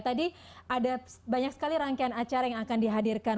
tadi ada banyak sekali rangkaian acara yang akan dihadirkan